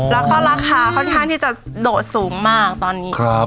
แล้วก็ราคาค่อนข้างที่จะโดดสูงมากตอนนี้ครับ